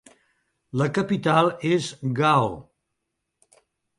La capital és Gao.